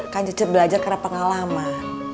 kan cecep belajar karena pengalaman